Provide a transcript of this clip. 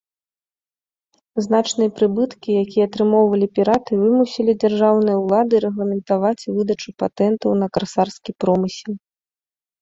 Значныя прыбыткі, якія атрымоўвалі піраты, вымусілі дзяржаўныя ўлады рэгламентаваць выдачу патэнтаў на карсарскі промысел.